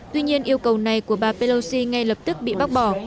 tuy nhiên yêu cầu này của bà pelosi ngay lập tức bị bác bỏ